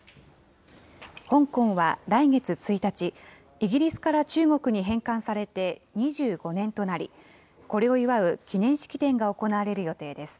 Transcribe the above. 香港は来月１日、イギリスから中国に返還されて２５年となり、これを祝う記念式典が行われる予定です。